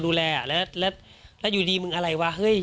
อุ๊ยฟังแล้วน่ากลัวนะ